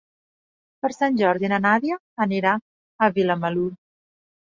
Per Sant Jordi na Nàdia anirà a Vilamalur.